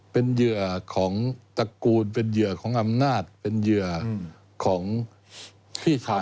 เป็นเหยื่อของตระกูลเป็นเหยื่อของอำนาจเป็นเหยื่อของพี่ชาย